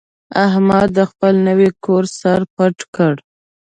احمد د خپل نوي کور سر پټ کړ.